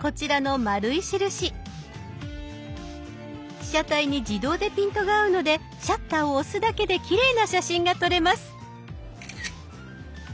被写体に自動でピントが合うのでシャッターを押すだけできれいな写真が撮れます。